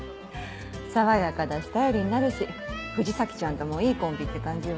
爽やかだし頼りになるし藤崎ちゃんともいいコンビって感じよねぇ。